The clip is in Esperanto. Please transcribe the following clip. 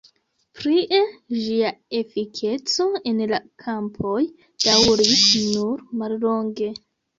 Plie, ĝia efikeco en la kampoj daŭris nur mallonge.